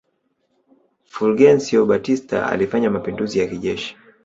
Fulgencio Batista alifanya mapinduzi ya kijeshi